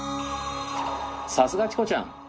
さすがチコちゃん！